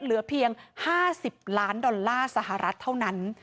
เหลือเพียง๕๐ล้านดอลลาร์สหรัฐเท่านั้น